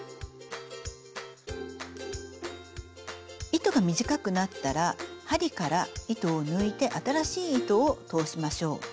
糸が短くなったら針から糸を抜いて新しい糸を通しましょう。